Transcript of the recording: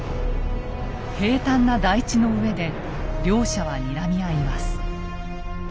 平坦な台地の上で両者はにらみ合います。